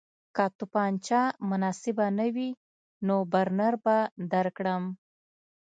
که توپانچه مناسبه نه وي نو برنر به درکړم